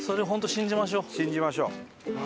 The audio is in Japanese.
信じましょう。